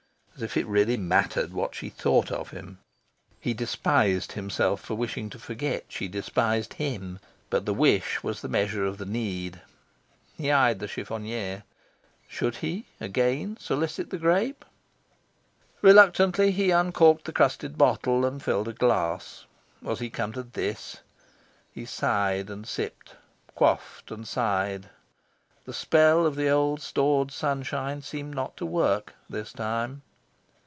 As if it really mattered what she thought of him. He despised himself for wishing to forget she despised him. But the wish was the measure of the need. He eyed the chiffonier. Should he again solicit the grape? Reluctantly he uncorked the crusted bottle, and filled a glass. Was he come to this? He sighed and sipped, quaffed and sighed. The spell of the old stored sunshine seemed not to work, this time.